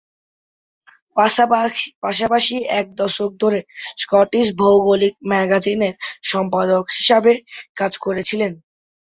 পাশাপাশি এক দশক ধরে "স্কটিশ ভৌগোলিক ম্যাগাজিনের" সম্পাদক হিসাবে কাজ করেছিলেন।